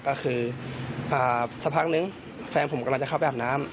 ก็คือสักพักนึงแฟนผมกำลังจะเข้าไปอาบน้ำ